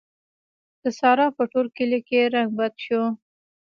د سارا په ټول کلي کې رنګ بد شو.